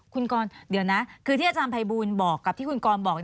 คุณกรเดี๋ยวนะคือที่อาจารย์ภัยบูลบอกกับที่คุณกรบอก